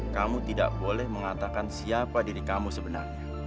kamu tidak boleh mengatakan siapa diri kamu sebenarnya